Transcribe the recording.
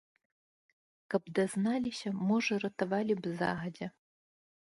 Каб дазналіся, можа, ратавалі б загадзя.